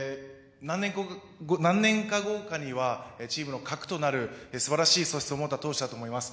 何年か後にはチームの核となるすばらしい素質を持った投手だと思います。